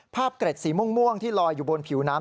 เกร็ดสีม่วงที่ลอยอยู่บนผิวน้ำ